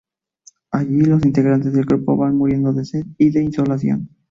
Allí, los integrantes del grupo van muriendo de sed y de insolación.